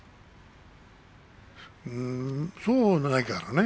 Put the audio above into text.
そうは、ないからね